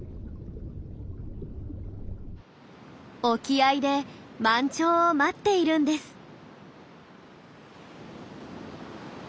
沖合で満潮を待っているんです。